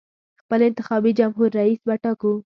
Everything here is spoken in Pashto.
خپل انتخابي جمهور رییس به ټاکو.